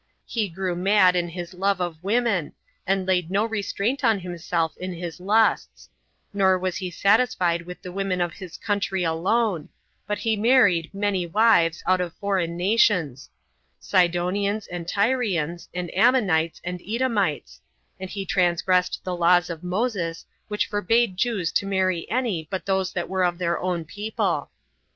He grew mad in his love of women, and laid no restraint on himself in his lusts; nor was he satisfied with the women of his country alone, but he married many wives out of foreign nations; Sidontans, and Tyrians, and Ammonites, and Edomites; and he transgressed the laws of Moses, which forbade Jews to marry any but those that were of their own people.